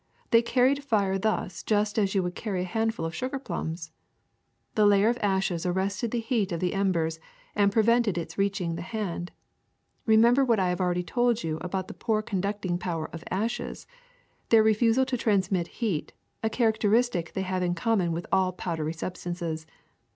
They carried fire thus just as you would carry a handful of sugar plums. *^The layer of ashes arrested the heat of the em bers and prevented its reaching the hand. Remem ber what I have already told you about the poor conducting power of ashes, their refusal to transmit heat, a characteristic they have in common with all powder}^ substances.